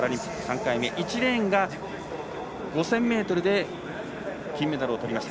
１レーンが５０００ｍで金メダルを取りました